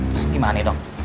terus gimana dong